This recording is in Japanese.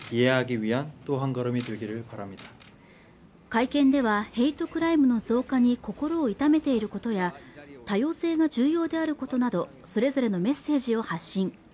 会見ではヘイトクライムの増加に心を痛めている事や多様性が重要であることなどそれぞれのメッセージを発信